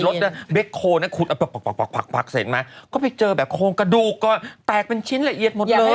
มีรถเบรกโคลนี่คุดเอาปักเสร็จมาก็ไปเจอแบบโคลนกระดูกก็แตกเป็นชิ้นละเอียดหมดเลย